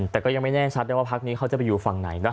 แต่ก็ยังไม่แน่ชัดได้ว่าพักนี้เขาจะไปอยู่ฝั่งไหนนะ